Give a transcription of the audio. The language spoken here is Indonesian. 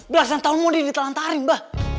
belasan tahun mundi ditelan tarim mbah